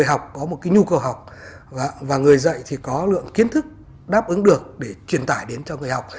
một cái nhu cầu học và người dạy thì có lượng kiến thức đáp ứng được để truyền tải đến cho người học